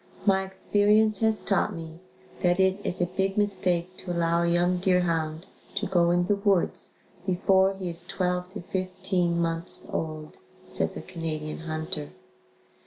My experience has taught me that it is a big mistake to allow a young deer hound to go in the woods before he is 12 to 15 months old, says a Canadian hunter.